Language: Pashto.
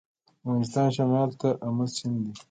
د افغانستان شمال ته امو سیند دی